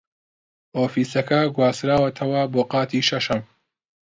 ئۆفیسەکە گواستراوەتەوە بۆ قاتی شەشەم.